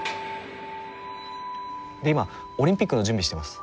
で今オリンピックの準備してます。